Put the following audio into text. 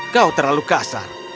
kau terlalu kasar